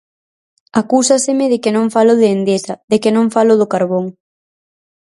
Acúsaseme de que non falo de Endesa, de que non falo do carbón.